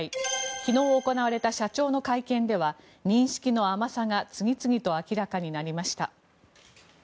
昨日行われた社長の会見では認識の甘さが次々と明らかになりました。